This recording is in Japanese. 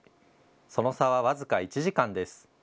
その差は僅か１時間です。